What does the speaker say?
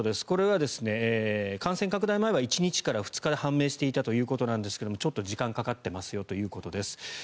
これは感染拡大前は１日から２日で判明していたということなんですがちょっと時間がかかっていますよということです。